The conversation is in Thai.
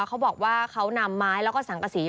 เขาบอกว่าเขานำไม้แล้วก็สังกษี